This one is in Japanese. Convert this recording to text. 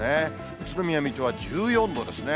宇都宮、水戸は１４度ですね。